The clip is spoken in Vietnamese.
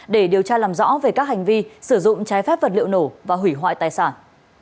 để điều tra làm rõ về các hành vi sử dụng trái phép vật liệu nổ và hủy hoại tài sản